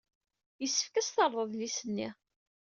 Yessefk ad as-terreḍ adlis-nni.